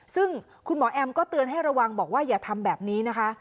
ซึ่งคุณหมอแอมก็เตือนให้ระวังบอกว่าอย่าทำแบบนี้นะคะ